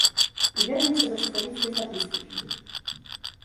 Звернемся да сакавіцкай статыстыкі.